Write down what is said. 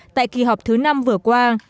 tại kỳ họp thứ năm vừa qua